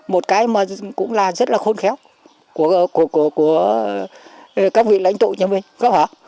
một cái mà cũng là rất là khôn khéo của các vị lãnh tội nhà mình